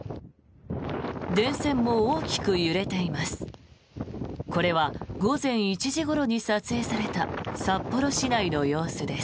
電線も大きく揺れています。